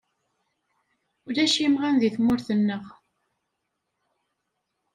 Ulac imɣan deg tmurt-neɣ.